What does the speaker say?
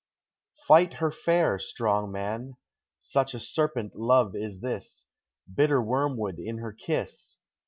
Fight her fair, strong man! Such a serpent love is this, Bitter wormwood in her kiss!